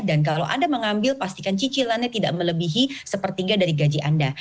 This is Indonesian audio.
dan kalau anda mengambil pastikan cicilannya tidak melebihi sepertiga dari gaji anda